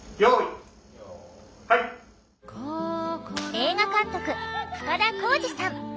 映画監督深田晃司さん。